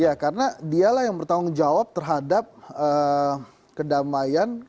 ya karena dialah yang bertanggung jawab terhadap kedamaian